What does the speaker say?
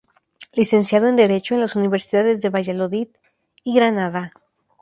Licenciado en Derecho en las universidades de Valladolid y de Granada.